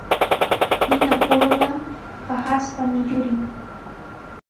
Ninakuruqa paqaspami yurin.